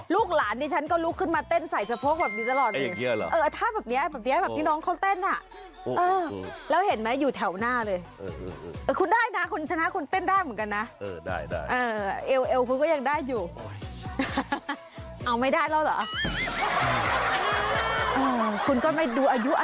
ลูกหลานดิฉันก็ลุกขึ้นมาเต้นใส่สะโพกแบบนี้ตลอดเลย